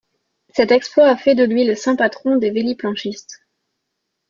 Cet exploit a fait de lui le saint patron des véliplanchistes.